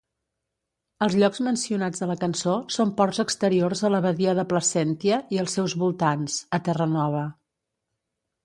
Els llocs mencionats a la cançó són ports exteriors a la badia de Placentia i els seus voltants, a Terranova.